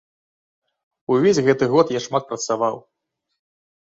Увесь гэты год я шмат працаваў.